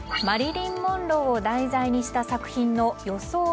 マリリン・モンローを題材にした作品の予想